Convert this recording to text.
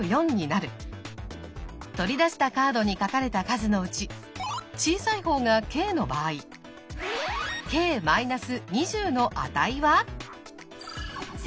取り出したカードに書かれた数のうち小さい方がｋの場合ｋ−２０の値は？